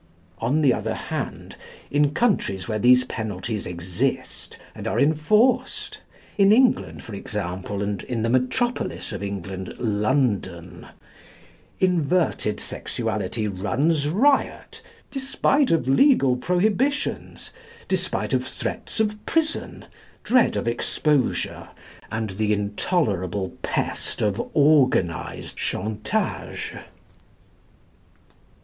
On the other hand, in countries where these penalties exist and are enforced in England, for example, and in the metropolis of England, London inverted sexuality runs riot, despite of legal prohibitions, despite of threats of prison, dread of exposure, and the intolerable pest of organised chantage.